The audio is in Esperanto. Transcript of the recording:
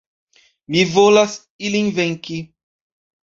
Mi volas ilin venki.